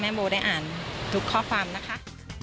โมได้อ่านทุกข้อความนะคะ